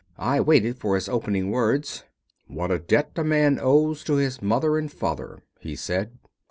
I waited for his opening words. 'What a debt a man owes to his mother and father,' he said."